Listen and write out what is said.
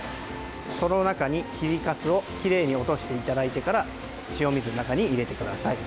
その中に、切りかすをきれいに落としていただいてから塩水の中に入れてください。